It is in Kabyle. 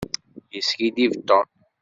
Yeskiddib Tom.